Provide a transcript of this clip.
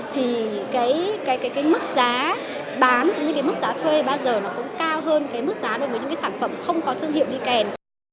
thì cái mức giá bán mức giá thuê bao giờ nó cũng cao hơn mức giá đối với những sản phẩm không có thương hiệu đi kèm